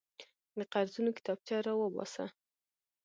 د قرضونو کتابچه راوباسه.